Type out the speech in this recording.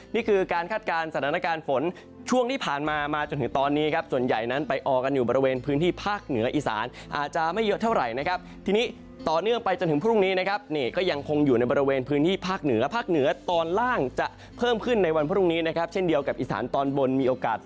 นี่คือการคาดการณ์สถานการณ์ฝนช่วงที่ผ่านมามาจนถึงตอนนี้ครับส่วนใหญ่นั้นไปออกันอยู่บริเวณพื้นที่ภาคเหนืออีสานอาจจะไม่เยอะเท่าไหร่นะครับทีนี้ต่อเนื่องไปจนถึงพรุ่งนี้นะครับนี่ก็ยังคงอยู่ในบริเวณพื้นที่ภาคเหนือภาคเหนือตอนล่างจะเพิ่มขึ้นในวันพรุ่งนี้นะครับเช่นเดียวกับอีสานตอนบนมีโอกาส